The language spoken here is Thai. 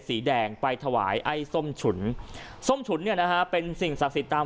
สีแดงไปถวายไอ้ส้มฉุนส้มฉุนเนี่ยนะฮะเป็นสิ่งศักดิ์สิทธิ์ตาม